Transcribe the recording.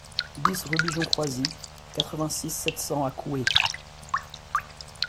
dix rue Bigeon Croisil, quatre-vingt-six, sept cents à Couhé